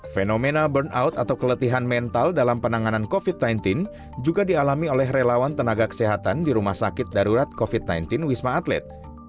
fenomena burnout atau keletihan mental dalam penanganan covid sembilan belas juga dialami oleh relawan tenaga kesehatan di rumah sakit darurat covid sembilan belas wisma atlet